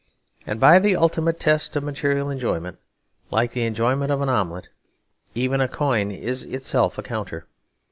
And by the ultimate test of material enjoyment, like the enjoyment of an omelette, even a coin is itself a counter.